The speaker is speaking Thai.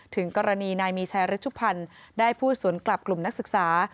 ถึงกรณีนายมีชัยฤชุพันธ์ได้พูดสวนกลับกลุ่มนักศึกษา